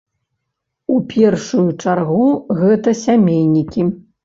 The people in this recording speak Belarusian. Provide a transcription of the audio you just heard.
У першую чаргу гэта сямейнікі.